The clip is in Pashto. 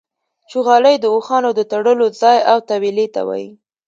چوغالی د اوښانو د تړلو ځای او تویلې ته وايي.